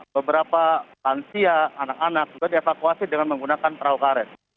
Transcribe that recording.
beberapa lansia anak anak juga dievakuasi dengan menggunakan perahu karet